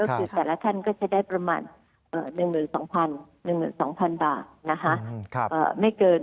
ก็คือแต่ละท่านก็จะได้ประมาณ๑หรือ๒พันบาท